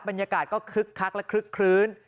บรรยากาศก็คึกคักและคลึกคลื้น